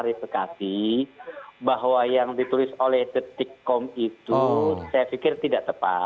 kita tahan dulu ya